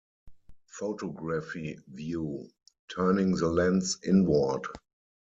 Photography View: Turning the Lens Inward.